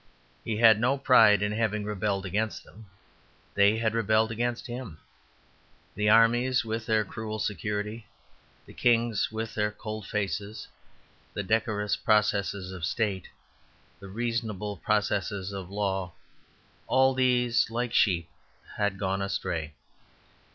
He had no pride in having rebelled against them; they had rebelled against him. The armies with their cruel security, the kings with their cold faces, the decorous processes of State, the reasonable processes of law all these like sheep had gone astray.